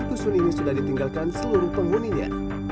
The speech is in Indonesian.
dusun ini sudah ditinggalkan seluruh penghuninya